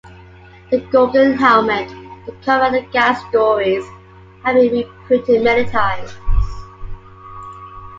"The Golden Helmet", the cover, and the gag stories have been reprinted many times.